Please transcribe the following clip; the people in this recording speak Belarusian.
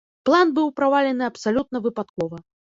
План быў правалены абсалютна выпадкова.